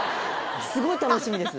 すごい楽しみです。